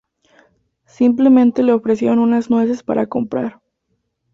Simplemente le ofrecieron unas nueces para comprar.